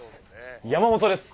「山本です！